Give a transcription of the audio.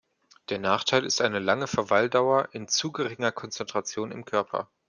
Der Nachteil ist eine lange Verweildauer in zu geringer Konzentration im Körper.